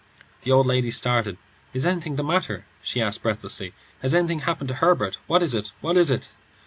'" The old lady started. "Is anything the matter?" she asked, breathlessly. "Has anything happened to Herbert? What is it? What is it?"